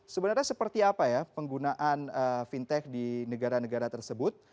sebenarnya seperti apa ya penggunaan fintech di negara negara tersebut